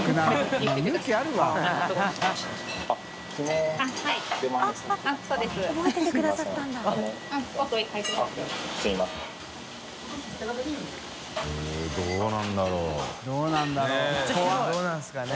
佑Аどうなんですかね。